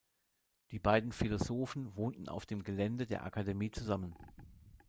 Die beiden Philosophen wohnten auf dem Gelände der Akademie zusammen.